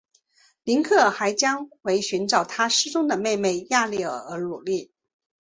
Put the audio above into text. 林克还将为寻找他失踪的妹妹雅丽儿而努力。